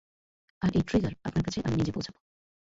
আর এই ট্রিগার আপনার কাছে আমি নিজে পৌঁছাবো।